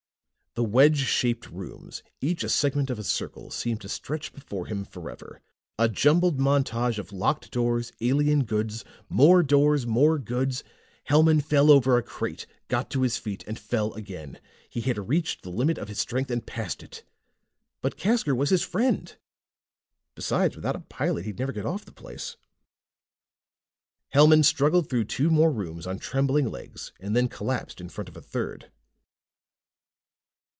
The wedge shaped rooms, each a segment of a circle, seemed to stretch before him forever, a jumbled montage of locked doors, alien goods, more doors, more goods. Hellman fell over a crate, got to his feet and fell again. He had reached the limit of his strength, and passed it. But Casker was his friend. Besides, without a pilot, he'd never get off the place. Hellman struggled through two more rooms on trembling legs and then collapsed in front of a third.